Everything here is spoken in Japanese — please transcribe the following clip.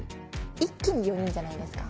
一気に４人じゃないですか